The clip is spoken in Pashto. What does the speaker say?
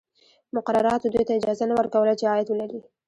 مقرراتو دوی ته اجازه نه ورکوله چې عاید ولري.